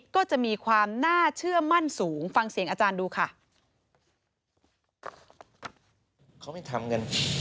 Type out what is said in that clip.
ก็จะมีความน่าเชื่อมั่นสูง